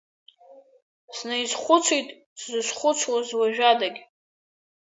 Снаизхәыцит сзызхәыцлоз уажәадагь.